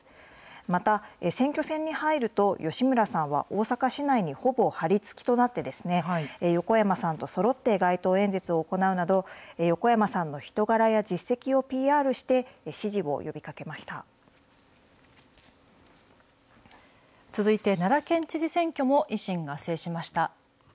また、選挙戦に入ると、吉村さんは大阪市内にほぼ張り付きとなって、横山さんとそろって街頭演説を行うなど、横山さんの人柄や実績をＰＲして、支持を呼続いて奈良県知事選挙も、維新が制しました。